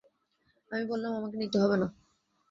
আমি বললাম, আমাকে নিতে হবে না।